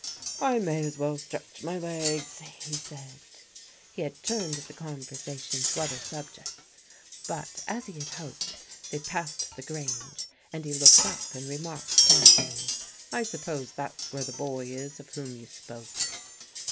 "I may as well stretch my legs," he said. He had turned the conversation to other subjects, but, as he had hoped, they passed the grange and he looked up and remarked casually, "I suppose that's where the boy is of whom you spoke."